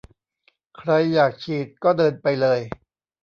ใครอยากฉีดก็เดินไปเลย